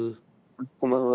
こんばんは。